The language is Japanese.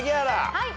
はい。